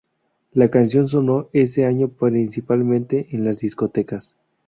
La canción sonó ese año principalmente en las discotecas.